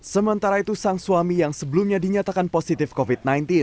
sementara itu sang suami yang sebelumnya dinyatakan positif covid sembilan belas